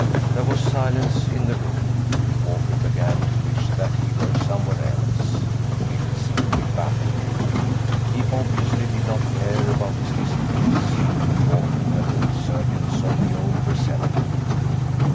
There was silence in the room. Walker began to wish that he were somewhere else: Millet simply baffled him. He obviously did not care about his disgrace. Walker felt a resurgence of the old resentment.